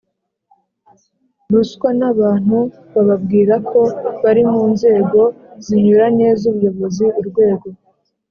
ruswa n abantu bababwira ko bari mu nzego zinyuranye z ubuyobozi Urwego